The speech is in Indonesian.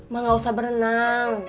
ma gak usah berenang